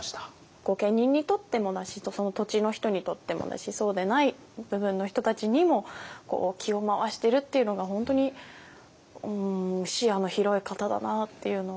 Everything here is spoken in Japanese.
御家人にとってもだしその土地の人にとってもだしそうでない部分の人たちにも気を回してるっていうのが本当に視野の広い方だなっていうのを。